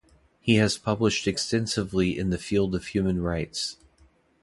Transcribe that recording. He has published extensively in the field of human rights.